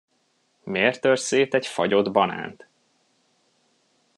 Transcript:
Miért törsz szét egy fagyott banánt?